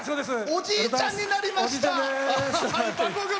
おじいちゃんになりました！